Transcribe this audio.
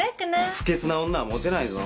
不潔な女はモテないぞ。